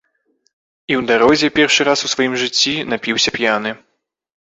І ў дарозе, першы раз у сваім жыцці, напіўся п'яны.